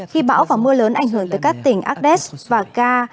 khi bão và mưa lớn ảnh hưởng tới các tỉnh agdes và ga